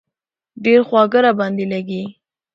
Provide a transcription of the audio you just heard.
ډېر خواږه را باندې لږي.